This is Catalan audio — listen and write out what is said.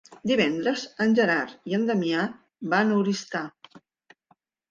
Divendres en Gerard i en Damià van a Oristà.